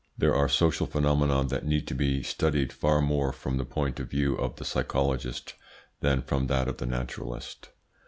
There are social phenomena that need to be studied far more from the point of view of the psychologist than from that of the naturalist.